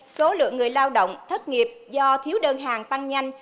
số lượng người lao động thất nghiệp do thiếu đơn hàng tăng nhanh